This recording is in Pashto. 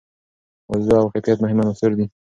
وضوح او کیفیت مهم عناصر دي.